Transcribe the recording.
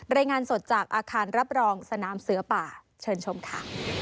รายงานสดจากอาคารรับรองสนามเสือป่าเชิญชมค่ะ